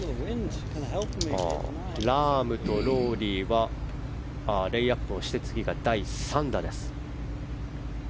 ラームとロウリーはレイアップをして次が第３打です。